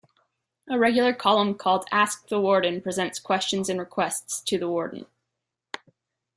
A regular column called "Ask the Warden" presents questions and requests to the warden.